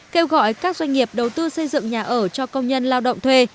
kêu gọi các doanh nghiệp đầu tư xây dựng nhà ở cho công nhân lao động thuê